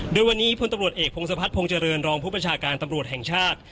โดยวันนี้พลตำรวจเอกพงศพัฒนภงเจริญรองผู้ประชาการตำรวจแห่งชาติ